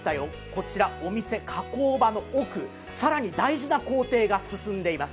こちら、お店、加工場の奥、更に大事な工程が進んでいます。